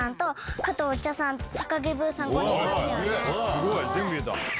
すごい全部言えた。